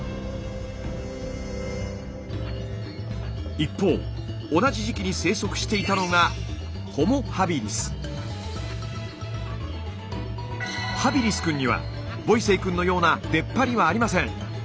一方同じ時期に生息していたのがハビリスくんにはボイセイくんのような出っ張りはありません。